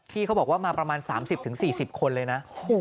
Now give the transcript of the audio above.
เขาบอกว่ามาประมาณ๓๐๔๐คนเลยนะ